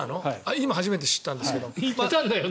今初めて知ったんですけど。